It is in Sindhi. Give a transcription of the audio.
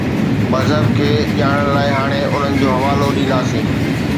مذهب کي ڄاڻڻ لاءِ هاڻي انهن جو حوالو ڏينداسين.